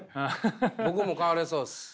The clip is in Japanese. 僕も変われそうです。